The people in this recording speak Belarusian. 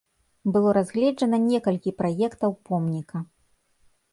Было разгледжана некалькі праектаў помніка.